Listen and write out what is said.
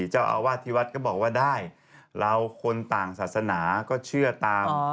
เจ้าอาวาสที่วัดก็บอกว่าได้เราคนต่างศาสนาก็เชื่อตาม